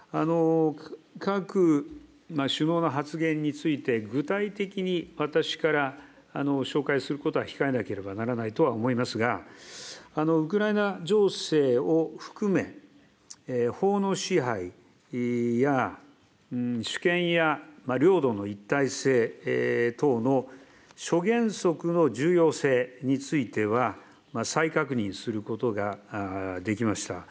各首脳の発言について、具体的に私から紹介することは控えなければならないと思いますが、ウクライナ情勢を含め、法の支配や、主権や領土の一体性等の諸原則の重要性については、再確認することができました。